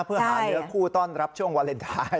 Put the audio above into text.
เพื่อหาเนื้อคู่ต้อนรับช่วงวาเลนไทย